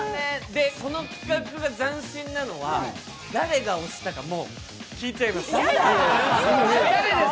この企画が斬新なのは、誰が押したか聞いちゃいます。